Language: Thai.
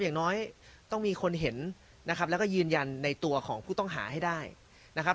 อย่างน้อยต้องมีคนเห็นนะครับแล้วก็ยืนยันในตัวของผู้ต้องหาให้ได้นะครับ